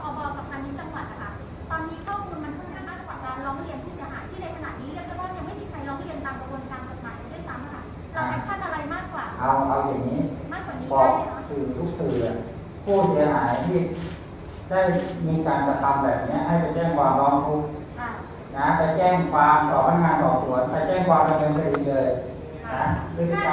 ผมเรียนว่าปฏิการตรงนี้มันน่าจะอยู่เกาะที่เราต้องการดูแลอยู่แล้วเนอะ